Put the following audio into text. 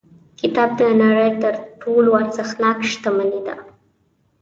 کتاب د نړۍ تر ټولو ارزښتناک شتمنۍ ده.